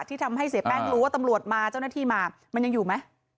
ที่ทำให้เสียแป้งรู้ว่าตำรวจมาเจ้าหน้าที่มามันยังอยู่ไหม